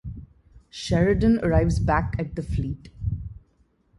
Sheridan arrives back at the fleet.